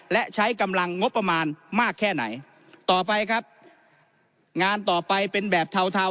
และใช้กำลังงบประมาณมากแค่ไหนต่อไปครับงานต่อไปเป็นแบบเทาเทา